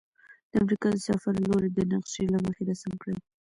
د امریکا د سفر لوري د نقشي له مخې رسم کړئ.